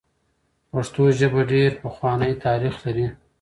پښتو ژبه ډېر پخوانی تاریخ لري.